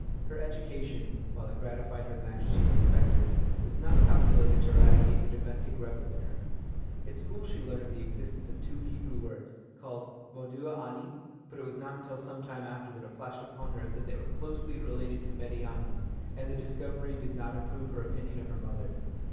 Her education, while it gratified Her Majesty's Inspectors, was not calculated to eradicate the domestic rebel in her. At school she learnt of the existence of two Hebrew words, called Moudeh anî, but it was not till some time after that it flashed upon her that they were closely related to Médiâni, and the discovery did not improve her opinion of her mother.